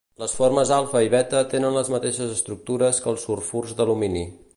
Les formes alfa i beta tenen les mateixes estructures que els sulfurs d'alumini.